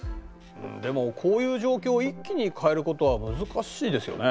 でもこういう状況を一気に変えることは難しいですよね。